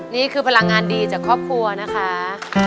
นี่คือพลังงานดีจากครอบครัวนะคะ